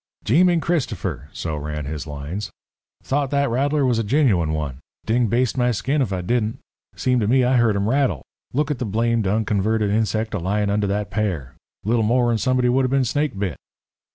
"Jeeming Cristopher!" so ran his lines "thought that rattler was a gin u ine one. Ding baste my skin if I didn't. Seemed to me I heard him rattle. Look at the blamed, unconverted insect a layin' under that pear. Little more, and somebody would a been snake bit."